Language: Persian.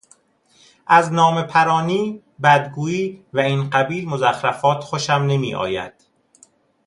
از نامهپرانی، بدگویی و این قبیل مزخرفات خوشم نمیآید.